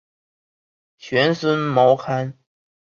玄孙毛堪。